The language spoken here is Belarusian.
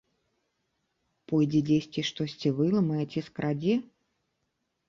Пойдзе дзесьці штосьці выламае ці скрадзе?